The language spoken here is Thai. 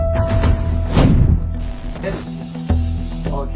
แล้วก็เร็งค่ะ